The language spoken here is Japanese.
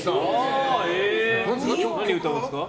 何歌うんですか？